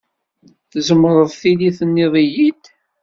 Tzemreḍ tili tenniḍ-iyi-d.